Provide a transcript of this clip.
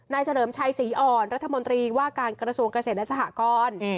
เฉลิมชัยศรีอ่อนรัฐมนตรีว่าการกระทรวงเกษตรและสหกร